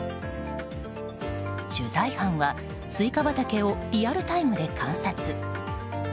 取材班は、スイカ畑をリアルタイムで観察。